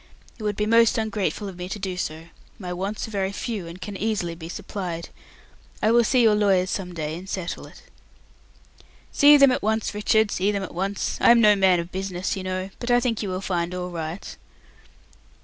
"It would be most ungrateful of me to do so. My wants are very few, and can easily be supplied. I will see your lawyers some day, and settle it." "See them at once, Richard; see them at once. I am no man of business, you know, but I think you will find all right."